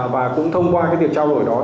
và cũng thông qua việc trao đổi đó